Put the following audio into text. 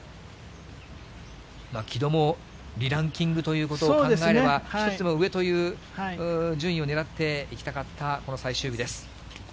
木戸もリランキングということを考えれば、一つでも上という順位をねらっていきたかった、この最終日です。